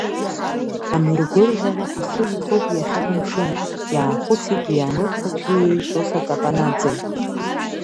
Амыргәырӷьа ахы иҭоуп иахьа амшын, иаахәыцит Вианор Ԥачлиеи Сосо Капанаӡеи.